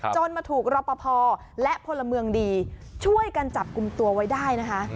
จนมาถูกรอปภและพลเมืองดีช่วยกันจับกลุ่มตัวไว้ได้นะคะ